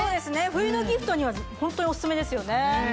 冬のギフトにはホントにお薦めですよね。